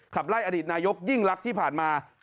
ขับไล่อดีตนายกยิ่งรักที่ผ่านมา